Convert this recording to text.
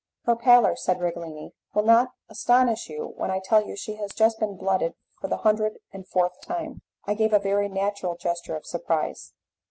"Her pallor," said Righelini, "will not astonish you when I tell you she has just been blooded for the hundred and fourth time." I gave a very natural gesture of surprise.